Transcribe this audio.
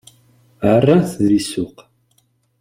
Ɛerran-t di ssuq.